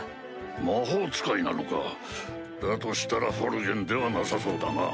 魔法使いなのかだとしたらフォルゲンではなさそうだな。